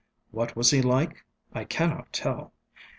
What was he like? I cannot tell.